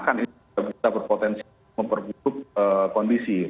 kan ini bisa berpotensi memperbutuhkan kondisi